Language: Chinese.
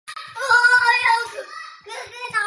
该战斗发生地点则是在中国赣南一带。